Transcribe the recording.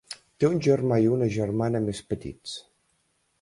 Té un germà i una germana més petits.